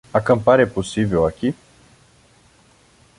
Acampar é possível aqui?